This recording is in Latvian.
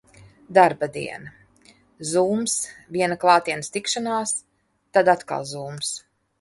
Darba diena. Zooms, viena klātienes tikšanās, tad atkal Zooms.